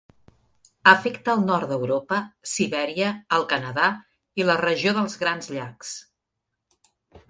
Afecta el nord d'Europa, Sibèria, el Canadà i la regió dels Grans Llacs.